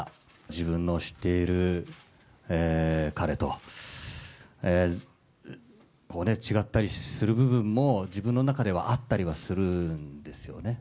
自分の知っている彼と、違ったりする部分も、自分の中ではあったりはするんですよね。